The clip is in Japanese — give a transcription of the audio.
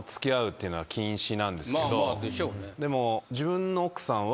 でも。